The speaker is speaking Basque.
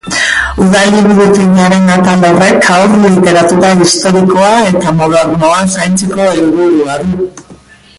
Udal liburutegiaren atal horrek Haur literatura historikoa eta modernoa zaintzeko helburua du.